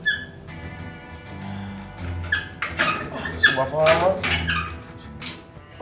masih bapak apa